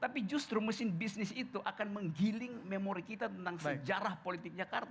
tapi justru mesin bisnis itu akan menggiling memori kita tentang sejarah politik jakarta